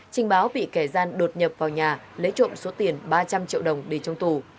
trinh báo bị kẻ gian đột nhập vào nhà lấy trộm số tiền ba trăm linh triệu đồng đi trong tù